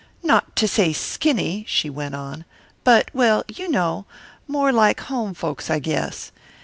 "Not to say skinny." she went on, "but well, you know more like home folks, I guess.